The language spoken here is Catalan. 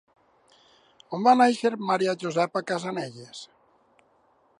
On va néixer Maria Josepa Casanellas?